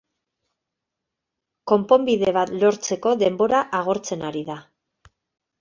Konponbide bat lortzeko denbora agortzen ari da.